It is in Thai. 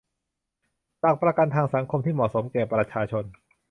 หลักประกันทางสังคมที่เหมาะสมแก่ประชาชน